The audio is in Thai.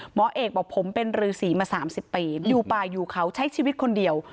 หมอเอกบอกผมเป็นรือสีมา๓๐ปีอยู่ป่าอยู่เขาใช้ชีวิตคนเดียว